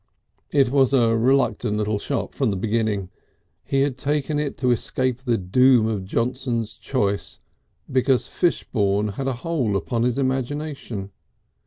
It was a reluctant little shop from the beginning. He had taken it to escape the doom of Johnson's choice and because Fishbourne had a hold upon his imagination.